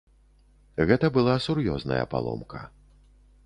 Гэта была сур'ёзная паломка.